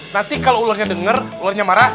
nanti kalau ularnya dengar ularnya marah